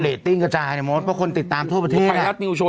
เรตติ้งกระจายเนี่ยโมสพวกคนติดตามทั่วประเทศอู๋ใครรัฐนิวโชว์